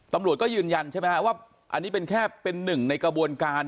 ตำรวจก็ยืนยันใช่ไหมฮะว่าอันนี้เป็นแค่เป็นหนึ่งในกระบวนการ